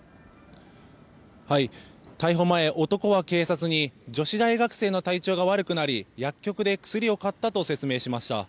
逮捕前、男は警察に女子大学生の体調が悪くなり薬局で薬を買ったと説明しました。